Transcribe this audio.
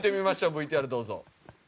ＶＴＲどうぞ。